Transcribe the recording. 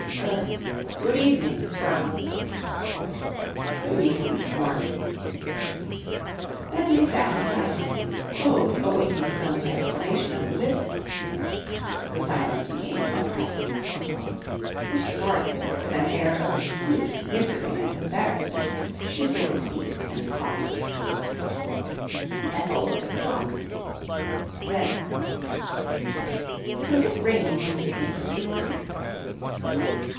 "Er good evening, Miss Brown." "Good evening, Mr. Morgan." Then they sat in silence, both awaiting some explanation of the visit. The silence became oppressive. Mr. Morgan, with an air of acute misery and embarrassment, shifted his feet and coughed. Ethel looked at the clock. Then "Was it raining when you came, Mr. Morgan?"